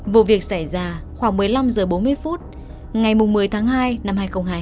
vụ việc xảy ra khoảng một mươi năm h bốn mươi phút ngày một mươi tháng hai năm hai nghìn hai mươi